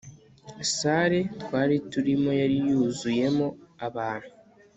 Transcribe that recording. Salle twari turimo yari yuzuyemo abantu